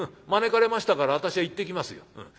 招かれましたから私は行ってきますよ。